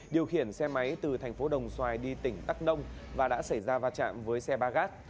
điều khiển xe máy từ thành phố đồng xoài đi tỉnh đắk đông và đã xảy ra va chạm với xe bagas